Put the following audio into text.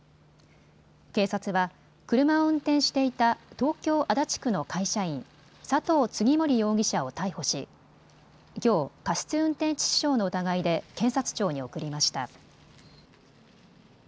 警察は車を運転していた東京足立区の会社員、佐藤次守容疑者を逮捕しきょう過失運転致死傷の疑いで検察庁に送りました。